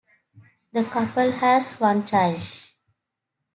The couple has one child.